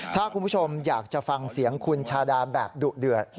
ถ้าคุณผู้ชมอยากจะฟังเสียงคุณชาดาแบบดุเดือด